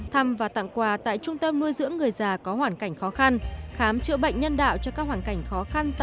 thăm và tặng quà tại trung tâm nuôi dưỡng người già có hoàn cảnh khó khăn